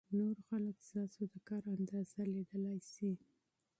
نور خلک ستاسو د کار اندازه لیدلای شي.